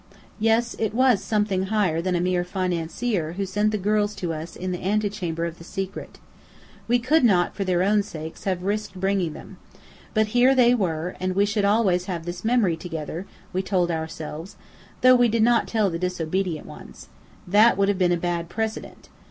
Yes, it was Something higher than a mere financier who sent the girls to us in the antechamber of the secret. We could not, for their own sakes, have risked bringing them. But here they were, and we should always have this memory together, we told ourselves, though we did not tell the disobedient ones. That would have been a bad precedent.